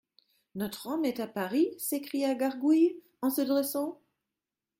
Notre homme est à Paris ? s'écria Gargouille, en se dressant.